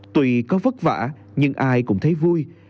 tùy có vất vả nhưng ai cũng thấy vui